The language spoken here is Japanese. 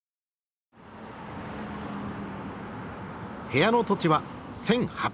部屋の土地は１，８００坪。